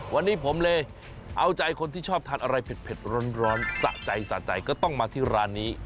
วันนี้ผมเลยเอาใจคนที่ชอบทานอะไรเผ็ดร้อนสะใจสะใจก็ต้องมาที่ร้านนี้